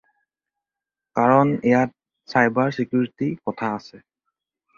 কাৰণ ইয়াত চাইবাৰ ছিকিয়ৰিটীৰ কথা আহে।